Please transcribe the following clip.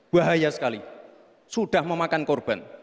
bahaya sekali sudah memakan korban